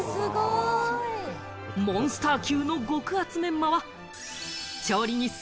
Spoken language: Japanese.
モンスター級の極厚メンマは調理日数